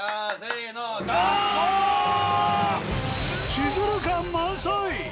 シズル感満載！